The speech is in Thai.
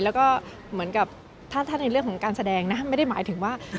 แล้วก็เหมือนกับถ้าในเรื่องของการแสดงนะไม่ได้หมายถึงว่า